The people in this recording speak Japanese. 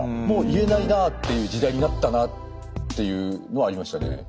もう言えないなっていう時代になったなっていうのはありましたね。